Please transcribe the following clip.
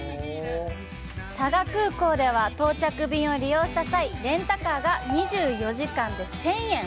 佐賀空港では、到着便を利用した際レンタカーが２４時間で１０００円！